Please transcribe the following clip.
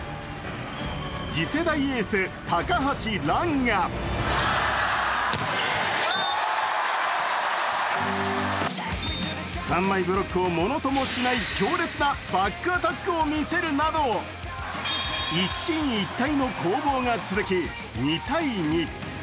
次世代エース、高橋藍が３枚ブロックをものともしない強烈なバックアタックをみせるなど、一進一退の攻防が続き２−２。